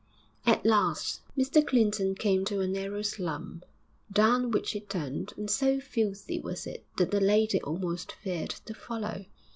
At last Mr Clinton came to a narrow slum, down which he turned, and so filthy was it that the lady almost feared to follow.